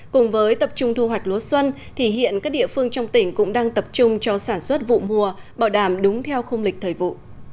cùng với tập trung thu hoạch lúa xuân thì hiện các địa phương trong tỉnh cũng đang tập trung cho sản xuất vụ mùa bảo đảm đúng theo khung lịch thời vụ